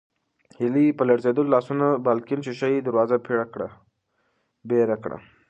هیلې په لړزېدلو لاسونو د بالکن شیشه یي دروازه بېره کړه.